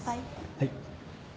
はい。